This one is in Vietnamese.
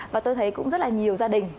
và tôi thấy cũng rất là nhiều gia đình